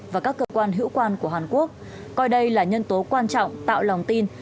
và các cơ quan hữu quan của hàn quốc coi đây là nhân tố quan trọng tạo lòng tin